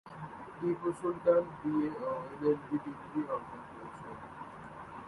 Tipu Sultan BA ও LLB degree অর্জন করেছেন।